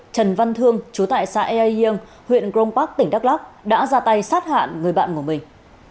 trần văn thương chú tại xã ea yêng huyện grom park tỉnh đắk lắk đã ra tay sát hạn người bạn của mình